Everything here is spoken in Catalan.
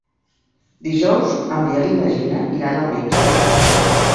Dijous en Biel i na Gina iran al metge.